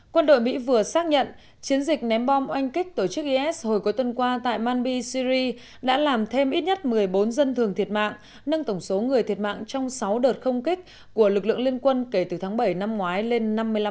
quân đội mỹ vừa xác nhận chiến dịch ném bom oanh kích tổ chức is hồi cuối tuần qua tại manby syri đã làm thêm ít nhất một mươi bốn dân thường thiệt mạng nâng tổng số người thiệt mạng trong sáu đợt không kích của lực lượng liên quân kể từ tháng bảy năm ngoái lên năm mươi năm